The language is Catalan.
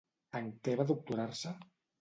En què va doctorar-se?